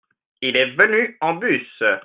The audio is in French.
Il est venu en bus.